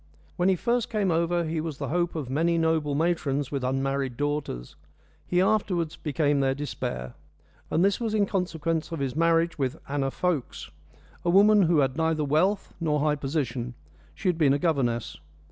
When he first came over he was the hope of many noble matrons with unmarried daughters. He afterwards became their despair; and this was in consequence of his marriage with Anna Fokes a woman who had neither wealth nor high position she had been a governess.